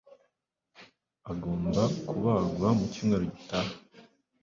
agomba kubagwa mu cyumweru gitaha